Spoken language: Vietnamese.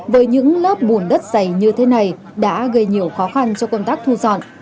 với những lớp bùn đất dày như thế này đã gây nhiều khó khăn cho công tác thu dọn